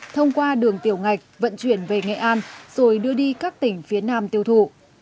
thông qua đường tiểu ngạch vận chuyển về nghệ an rồi đưa đi các tỉnh phía nam tiêu thụ